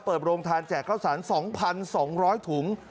เปิดโรงทานแจกเข้าสาร๒๒๐๐ถุง